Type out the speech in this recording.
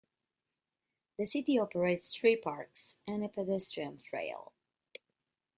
The city operates three parks and a pedestrian trail.